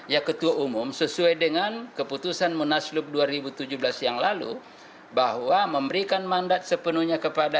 ya ketua umum sesuai dengan keputusan munaslup dua ribu tujuh belas yang lalu bahwa memberikan mandat sepenuhnya kepada